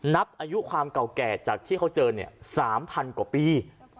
นับอายุความเก่าแก่จากที่เขาเจอเนี่ย๓๐๐กว่าปี